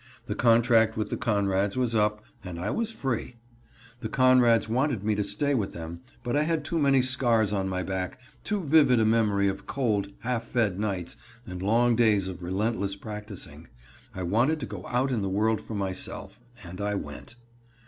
The contract with the Conrads was up and I was free. The Conrads wanted me to stay with them, but I had too many scars on my back, too vivid a memory of cold, half fed nights and long days of relentless practicing. I wanted to go out in the world for myself, and I went.